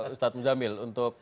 ustadz muzamil untuk